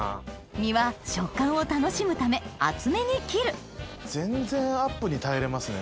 身は食感を楽しむため厚めに切る全然アップに耐えれますね。